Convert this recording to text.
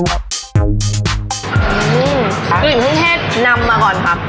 อืมกลิ่นผังเทศนำมาก่อนครับ